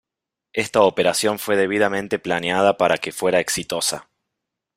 Esta operación fue debidamente planeada para que fuera exitosa.